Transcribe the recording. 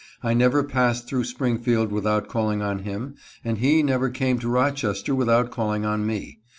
I never passed through Springfield without calling on him, and he never came to Rochester without calling on me.